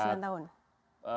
delapan tahun sembilan tahun